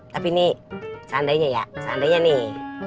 tapi ini seandainya ya seandainya nih